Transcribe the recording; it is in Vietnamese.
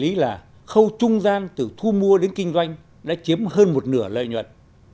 kịch lý là khâu trung gian từ thu mua đến kinh doanh đã chiếm hơn một nửa lợi nhuận